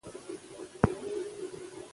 که انصاف وي نو په خلکو کې کینه نه وي.